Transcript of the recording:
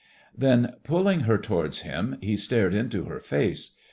Then, pulling her towards him, he stared into her face.